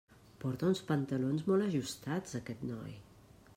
Porta uns pantalons molt ajustats, aquest noi.